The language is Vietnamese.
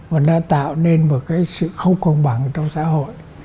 và nó tạo nên một cái sự không công bằng trong xã hội